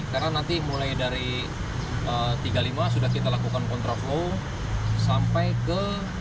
karena nanti mulai dari tiga puluh lima sudah kita lakukan kontrapolo sampai ke enam puluh delapan